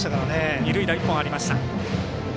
二塁打１本ありました。